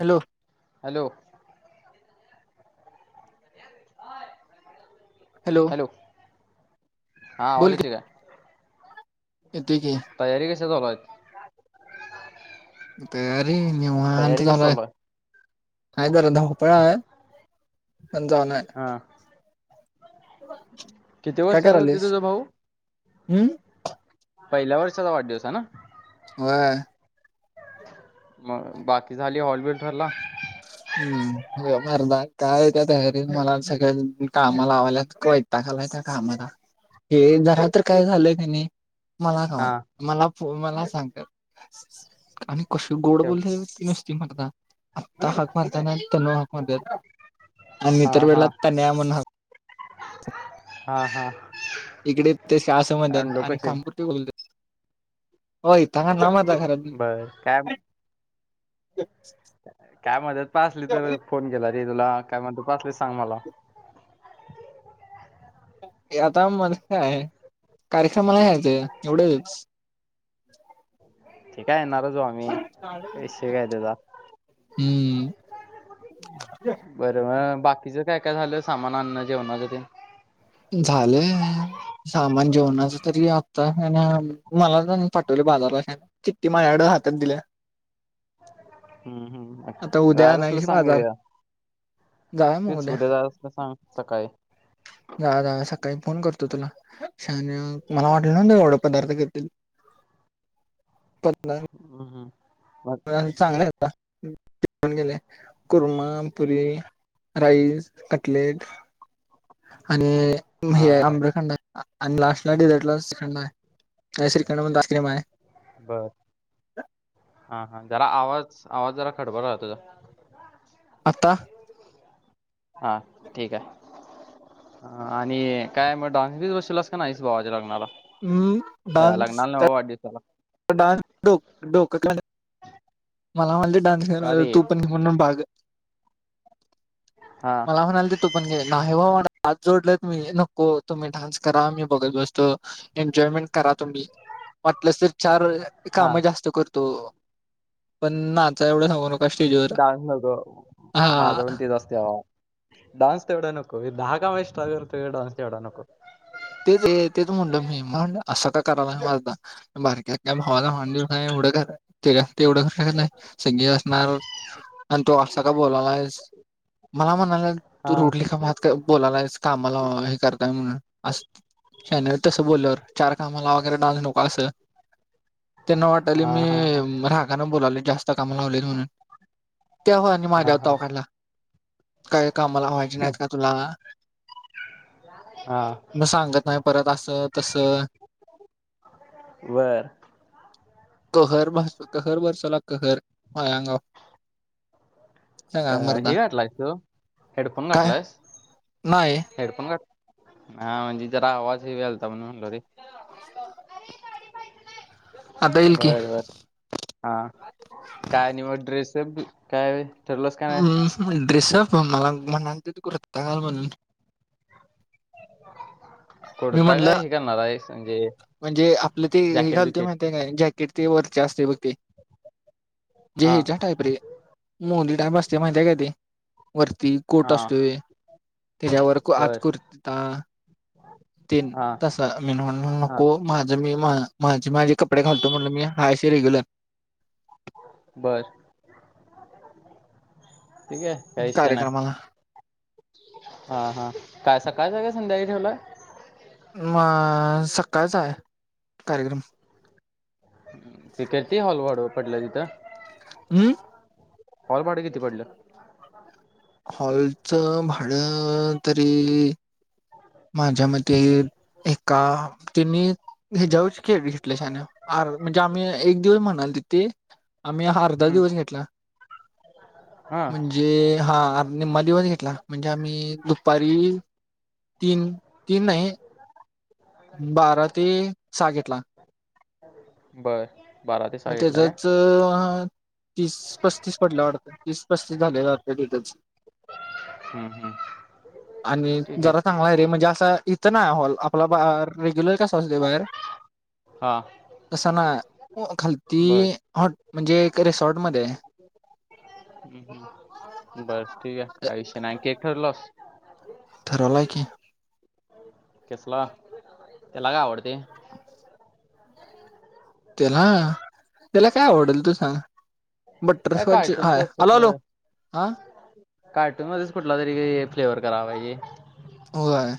Hello? Hello? [inaudible] Hello? हा, आवाज बोल की येतोय का? येतोय की. तयारी कशी चालुयेत? तयारी निवांत तयारी कशी चालू चालुये. आहे हाय जरा धावपळ हाय, पण चालू हाय. हा. किती काय वर्ष झालं [unintelligible] होते करायलीस तुझा भाऊ? हम्म पहिल्या वर्षाचा वाढदिवस आहे ना? होय. मग बाकी झाली, हॉलबिल ठरला? हम्, मरदा काय नाही तयारी, मला सगळे काम लावायल्यात, वै- ताग आलाय स कामाला हे जरा तर काय झालंय कनी - मला हा काम, मला फो- मला सांगत्यात आणि कशी गोड ते बोलत्यात नुसती- ती मर्दा [unintelligible] मारताना तनू हाक मारत्यात आणि हा इतर हा वेळेला तन्या म्हणून हाक- हा, हा. इकडे ते [unintelligible] लोक आणि कसे खमपूर ते बोल होय तगा नामता खराब नाही. बर काय [unintelligible] काय मदत पायजे असली तर फोन केला रे तुला, ‌काय मदत असली तर सांग मला. हे आता मदत काय हाय, कार्यक्रमला यायचं एवढच. ते काय येणारच ओ आम्ही, विषय काय त्याचा. हम्म. बरं म बाकीचं काय, काय झालं सामान, आणन जेवणाच तेन? झालंय? सामान जेवणाच तरी, आत्ता ना मला [unintelligible] पाठवले बाजारला - चिट्टी माझ्याकडच हातात दिल्या. हम्म, हम्म, आता उद्या जायच असल तर आणायची सांग बाजार येऊया. जाऊया मग तेच उद्या जायच असल सांगतो, सकाळी. जा, जा सकाळी फोन करतो तुला, शण्या मला वाटल न्हवत एवढ पदार्थ करतील. [inaudible] हम्म हम् म चांगले हाय आता खाऊन गेले कुरमा, पुरी राईस, कटलेट आणि हा हे हा आम्रखंड आहे आणि लास्टला डिझर्टला श्रीखंड आहे श्रीखंड म्हणतो आईस्क्रिम हाय बर हा हा जरा आवाज आवाज जरा खडबर रा तुझा आत्ता हा ठीक आहे ह आणि काय मग डान्स बीस बसिवलास काय नाहीस भावाच्या लग्नाला? हम् अं लग्नाला न्हवं वाढदिवसाला डान्स डोकं डोकं [unintelligible] [inaudible] मला म्हणली डान्स कर का रे तू पण म्हणून भाग हा मला म्हणालतीत तू पण घे नाही बा म्हंटलं हात जोडलेत मी नको तुम्ही डान्स करा मी बघत बसतो एन्जॉयमेंट करा तुम्ही वाटलस चार हा कामं जास्त करतो पण नाचाय एवढ सांगू नको. डान्स नको माझं पण तेच असतय बाबा डान्स तेेवढं नको दहा कामं एक्सट्रा करतो डान्स तेवढा नको तेच रे तेच म्हणलं मी म्हण असं का करालाय म्हणालता बारक्या आपल्या भावाला म्हणालय हे एवढं कर ते ते तेवढं कां नाही सगळे असणार. आणि तु अस का बोलायलाईस मला म्हणाला हा तू रुडली का बोलालाईस कामाला हे करताय म्हण. अस शहाण्या तसं बोलल्यावर चार काम लाव खरं डान्स नको असं. त्यांना वाटालंय हा हा हा मी रागानं बोलालोय जास्त काम लावलेत म्हणून. तेव्हा आणि हा माझ्यावर हा ताव काढला काय काम लावायची नाहीत का तुला? हा. म सांगत नाही परत असं तस. बर कहर कहर बसवला कहर माझ्या अंगावर अ सांगा मर्दा हे घातलंयस तू हेडफोन काय घातलायस. नाही हेडफोन घात हा म्हणजे जरा आवाज हे व्हायलता म्हणून म्हटलो रे. ए गाडी पाहिजेल हाय आता येईल की बर बर हा काय आणि मग ड्रेस तेन प काय ठरलंस काय नाही हम् ड्रेस होय मला म्हनालतीत कुर्ता घाल म्हणून. [unintelligible] मी कुडता काय म्हणलं हे करणार आहेस म्हणजे जॅकेट बिकेट. का जॅकेट ते वरचे असतय बघ ते जे हा हेज्या टाईप रे. मोदी टाईप असतय माहितीय काय ते? वरती कोट हा असतोय त्याच्यावर आत बर कुर्ता [inaudible] तेन हा तस मी म्हण हा नको माझं मी मा माझी माझे कपडे घालतो म्हणल मी हाय अस रेग्युलर. बर ठीक आहे काय विषय नाही. कार्यक्रमाला हा हा काय सकाळच हाय का संध्याकाळी ठेवलंय. मग सकाळचा आहे कार्यक्रम. ते कती हॉल वड पटलं तिथं. [inaudible] हम्म. हॉल भाडं किती पडलं? आर थांब. हॉलचं भाडं तरी माझ्या मते एका त्यांनी ह्याच्यावर खेळ घेतल्या शान, आर, म्हणजे आम्ही एक दिवस म्हणाल तिथे आम्ही अर्धा हम्म दिवस घेतला. हा म्हणजे जे हा निम्मा दिवस घेतला म्हणजे आम्ही दुपारी तीन, तीन नाही बारा ते सहा घेतला. बर बारा ते सहा मग घेतला काय त्याचाच तीस पस्तीस पडल्या वाटतं, तीस पस्तीस झालेला वाटतं डेटलच. हम्म हम्म आणि ठीक आहे जरा सांग हाय रे म्हणजे असं इथं नाही हॉल आपला बा रेग्युलर कसा असते बाहेर हा तसा ना खालती बर हॉट म्हणजे एक रेसॉर्ट मध्ये आहे ह बर ठीक आहे काही विषय नाही केक ठरवलस. ठरवल आहे की. हो [inaudible] केसला, त्याला का आवडते? त्याला, त्याला काय आवडेल तू सांग? काय बटरस्कॉच हाय, कार्टूनच आलो आलो, कुठलं हा कार्टून मध्येच कुठला तरी फ्लेवर करावा पाहिजे. होय,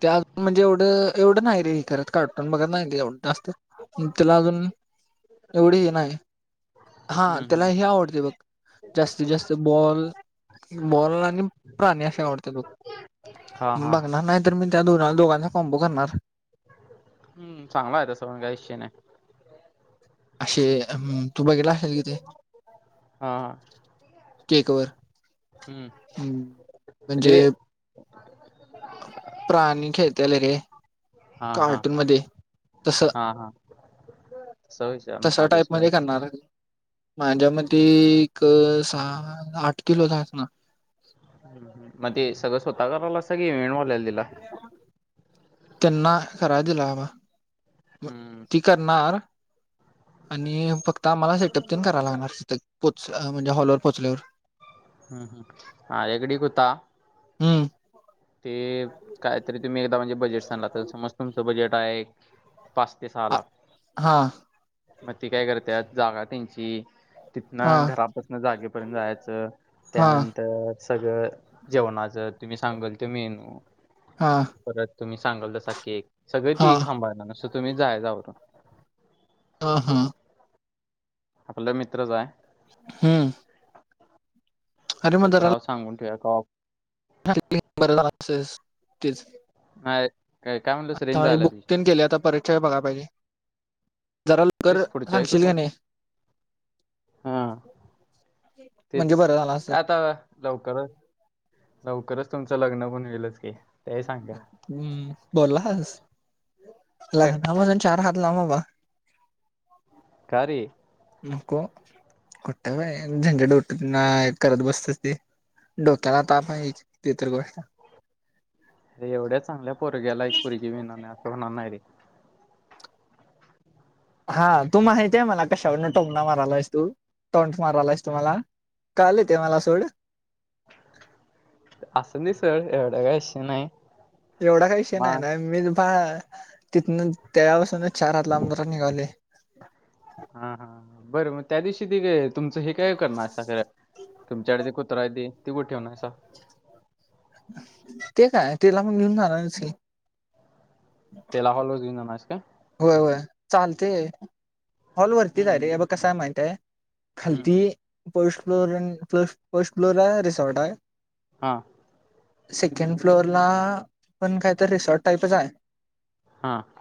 त्यात म्हणजे एवढं एवढं नाही रे हे करत कार्टून बघत नाही एवढं जास्त. त्याला अजून, एवढे हे नाही. हा हम्म त्याला हम्म हे आवडते बघ, जास्तीत जास्त बॉल. बॉल आणि प्राणी असे आवडते बग. हा हा बघणार नाही तर मी त्या दो -दोघांचा कॉम्पो करणार. हम् चांगला आहे त स पण काही विषय नाही. असे, तू बघेला असेल तीथे? हा. केक वर, हम्म ह म्हणजे अ प [inaudible] प्राणी खेळतेले रे, हा कार्टून मध्ये तस सवच आण तसा मालीस टाईप मध्ये [unintelligible] माझ्या मते एक सहा आठ किलो झाात [unintelligible] ना मग ते सगळं स्वत कराव लागत, कि इव्हेंट वाल्याला दिला? त्यांना कराय दिला होता. हम्म ती करणार आणि फक्त आम्हाला सेटअप पण कराव लागणार, पोच म्हणजे हॉलवर पोचल्यावर. हम्, ह हा रेगडी कुता हम्म. ते कायतरी तुम्ही एकदा म्हणजे बजेट सांगला तर समज तुमचं बजेट आहे पाच ते सहा आ लाख हा मग ते काय करत्यात जागा त्यांची. तिथन हा घरापासन जागेपर्यंत जायचं हा त्यानंतर. सगळं जेवणाचं तुम्ही सांगाल ते मेनू. हा! परत तुम्ही सांगाल तसा केक, सगळ हा ती सांभाळणार नुसतं तुम्ही जायच आवरून. हां हां! आपला मित्रच आहे. हूं! तर त राव सांगून ठेवू या कॉप [unintelligible] नाही काय काय म्हणलंस आता रेंज आमी बुकतेन केले आता परीक्षा य बघाया पाहिजे. जरा लवकर तेस पुढच्याही सांगशील कुठला का नाही हा. तेच म्हणजे बरं झालं असतं काय आता. लवकरच, लवकरच तुमचं लग्न पण होइलंच की ते हीं सांगा. हूं बोललास लग्नापासुन चार हात लांम बाबा. कारे! नको कुटं वय झंजटउटट नाय करत बसत ते. डोक्याला ताप आहे तेतर गोष्ट. अरे एवढ्या चांगल्या पोरग्याला, एक पोरगी मिळणार नाही असं होणार नाही रे. हा तू माहितीय मला. कशावरूनं टोंंमना मारालास तू, टोंट मारालायस तू मला कळाले ते मला सोड. असं नाही सर, एवढं काय विषय नाही. एवढा काही विषय नाही मग ना मी बा तिथन त्यापासून चार हात लांब र निघालेय हा हा बरं मग त्या दिवशी ते का तुमचं हे काय करणार सां खर. तुमच्याकडे ते कुत्र आहे ते कुठ ठेवणायसा. ते काय तेला पण घेऊन जाणारच की. तेला हॉल व जाणार स काय. होय होय चालतेय, हॉल वरतीच आहे हम्म, रे हे ब कसांय माहितआहे. हम्म, खालती पर्स्ट फ्लोर अन प्लस फर्स्ट फ्लोर आहे रिसॉर्ट आहे. [inaudible] सेकंड फ्लोअर ला, पण कायतरी रिसॉर्ट टाईपच आहे. हां!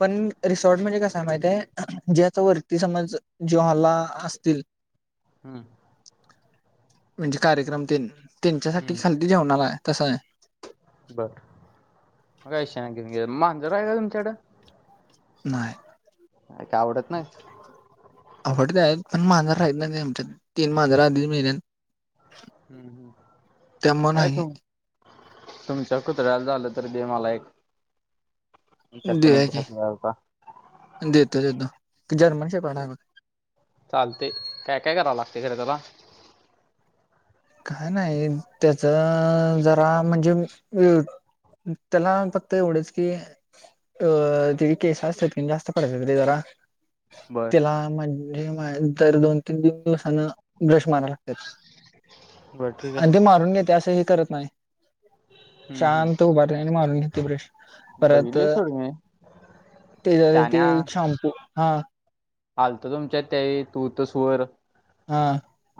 पण रिसॉर्ट म्हणजे कस आहे माहितीय जे आता वरती समज जे हॉलला असतील. हूं! म्हणजे कार्यक्रम तेनं त्यांच्यासाठी हम्म, खालती जेवणाला आहे तस आहे. बरं मग काय शान घेऊन गे मांजर आहे का तुमच्याकडं? नाही. ते का आवडत नाहीत. आवडते आहेत पण मांजर राहिल नाही आमच्या तीन मांजर आधीच मेलेत. हूं हूं त्यामुळे काय नाही तुम तुमच्या कुत्र्याला झालं तर दे मला एक. तुमच्यात पण एक देऊ की घ्यायचा मला होता देतोे देतो ते जर्मन शेफर्ड आहे बघ. चालतेय काय काय करावं लागते खरं त्याला. काय नाही त्याच जरा म्हणजे विव त्याला नं फक्त एवढंच की. अ तेचे केस असत्यात कीन जास्त पडत्यात रे जरा. बरं तिला म्हणजे तर दोन तीन तीन दिवसान ब्रश माराव लागते. बरं ठीक आणि ते आहे मारून घेते असं हे करत नाही. हम्म, हम्म. शांत उभा राहते आणि मारून घेते ब्रेश परत. बघितली सोड मी ते जर ते शॅम्पू हां आलतं तुमच्यात त्या तू तर स्वर हां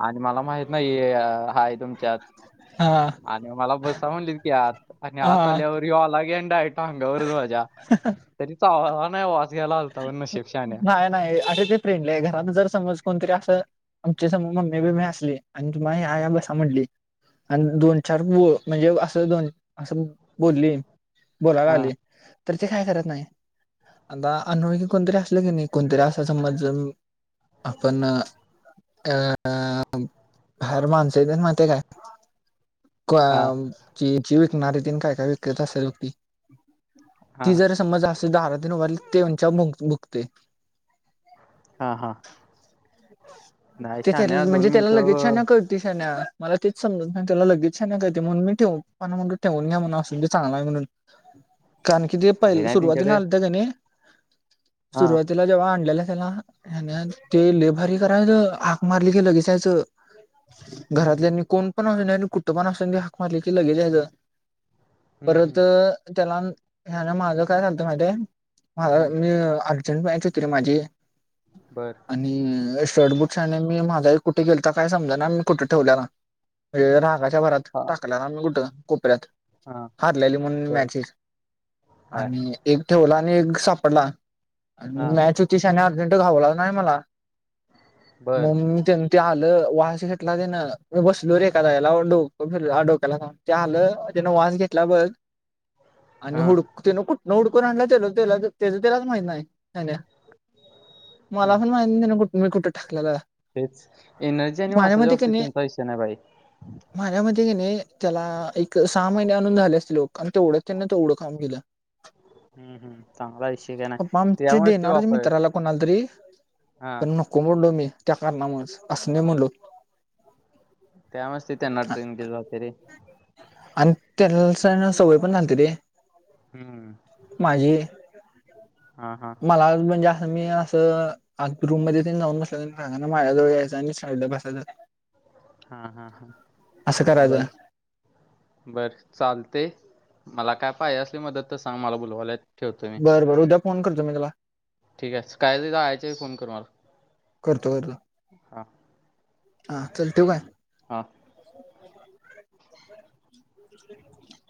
आणि मला माहित ना हाय तुमच्यात हा आणि मला बसा म्हणली की आत आणि आत हा आल्यावर हॉला गेंडाय. अगावरच माझ्या तरी चावला नाही वास घ्यायला आलता पण नशिब शान्या. नाही नाही अरे ते फ्रेंड आहे घरात जर समज कोणतरी अस आमच्या संग मम्मी मे बीम्मी असली आणि तु मग आ या या बसा म्हणली. आणि दोन चार ब म्हणजे असं दोन आस बोलली. बोलायला हा आली तर ते काय करत नाही आता. अनोळखी कोणतरी असलं की नाही कोणतरी असा समज आपण अ अ बाहेर माणसं येत [unintelligible] ते काय हा जी विकणारी ति काय काय विकत असेल ती हा ती जर समज अस दारात येऊन उभारली तर [unintelligible] भुकते हा हां नाही ते त्या शान्या दोन म्हणजे त्याला लगेच मिनिटं [unintelligible] मला तेच समजत नाही त त्याला लगेच शंका येते म्हणून मी ठेवून म्हण ठेवून घ्या म्हणून चांगलाय म्हणून कारण की ते अरे पहिले नाही सुरुवातीला त्यांच्याकडे आलता का नाही. हा सुरुवातीला जेव्हा आणलेला त्याला ते ले घरी करायचं हाक मारली की लगेच यायचं. घरातल्यांनी कोण पण असून कुठं पण असून दे हाक मारले की लगेच यायचं. हम्म परत हम्म त्याला ह्याना माझ काय झालत माहितीय हम्म मी [unintelligible] [unintelligible] होती रे माझी बर आणि शर्ट बुट शाह्याने आणि मी माझाही कुठे गेलता तर काय समजा ना मी कुठे ठेवलेला म्हणजे रागाच्या भरात, हा टाकलेला नव, कुठ कोपऱ्यात. हा हारलेली म्हणून बर मॅचेस, हाय आणि एक ठेवला, आणि एक सापडला, आणि हा मॅच होति शहान्या अर्जंट घावलाच नाही मला. बर मग [unintelligible] ते ते आलं, वास घेटला तेन, ना म बसलो रे ऐका जाग्याला, डोक फिरल. डोक्याला जा ते आल, त्यान वास घेतला बघ. [inaudible] आणि हा हुड, तन कुठन हुडकून आणलाय त्याल त्याच त्यालाच माहित नाही. [unintelligible] हम्म. मला पण माहिती नाही, त्यान कुठ मी कुठे ठाकलेला. तेच, एनर्जी आणि वासाच्या बाबतीत त्यांचा विषय नाही भाई. माझ्या मते की नाही त्याला एक सहा महिने आणून झाले असते लोक आणि तेवढं त्यांना ते एवढं काम केलं. हम्म हम्म चांगलाच शिक [unintelligible] आहे ना पप्पा आमचे त्यामुळेच ते देणार वापर मित्राला कोणाला तरी हां, पण नको म्हनलो मी, त्या कारणामुळच, अस नाही म्हणलो. त्या मुळच ते त्यांना ट्रेन केल जात रे. आणि, त्याला कसय सवय पण झालती रे. हम्म माझी, हा हा मला म्हणजे असं मी असं रूंम मध्यें जाऊंन बसल्यांत सांगा नां माझ्या जवळं यायं आणि शाळेला बसायचं. हां हां हां असं करायचं बरं. बरं चालतंय मलां कायं पायजे असली मंदत तरं सांग मलां बुलवाल्यांत ठेवतोय. बरं बरं उद्यां फोन करतो मी तुम्हांला. ठीक आहे कायंतरी यांयचे फोन करं मलां हां. हां चलं ठेवू कायं हां [unintelligible]